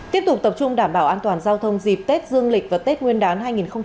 tiếp tục tập trung đảm bảo an toàn giao thông dịp tết dương lịch và tết nguyên đán hai nghìn hai mươi